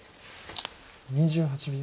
２８秒。